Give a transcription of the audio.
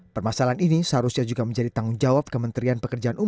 permasalahan ini seharusnya juga menjadi tanggung jawab kementerian pekerjaan umum